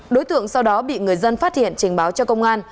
đối tượng sau đó bị người dân phát hiện trình báo cho công an